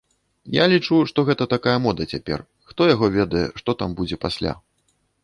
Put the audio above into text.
Я лічу, што гэта такая мода цяпер, хто яго ведае, што там будзе пасля.